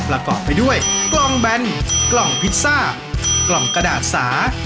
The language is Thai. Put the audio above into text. ประกอบไปด้วยกล่องแบนกล่องพิซซ่ากล่องกระดาษสา